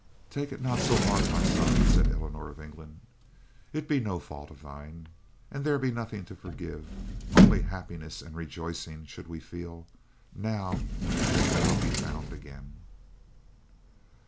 "Take it not so hard, my son," said Eleanor of England. "It be no fault of thine, and there be nothing to forgive; only happiness and rejoicing should we feel, now that thou be found again."